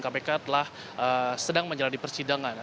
kpk telah sedang menjalani persidangan